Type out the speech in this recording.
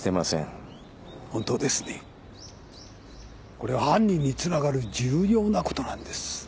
これは犯人につながる重要なことなんです。